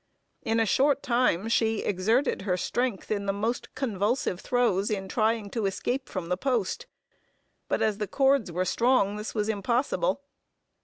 In a short time, she exerted her strength, in the most convulsive throes, in trying to escape from the post; but as the cords were strong, this was impossible.